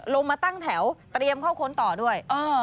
ลงมาตั้งแถวเตรียมเข้าค้นต่อด้วย